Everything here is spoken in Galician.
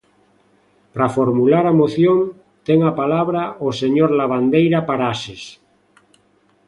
Para formular a moción, ten a palabra o señor Lavandeira Paraxes.